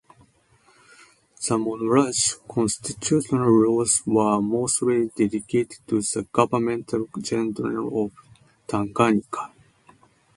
The monarch's constitutional roles were mostly delegated to the Governor-General of Tanganyika.